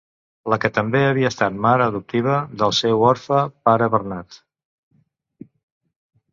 La que també havia estat mare adoptiva del seu orfe pare Bernat.